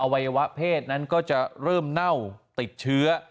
วัยวะเพศนั้นก็จะเริ่มเน่าติดเชื้อ